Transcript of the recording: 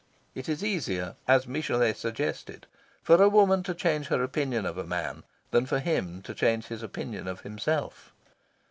It is easier, as Michelet suggested, for a woman to change her opinion of a man than for him to change his opinion of himself.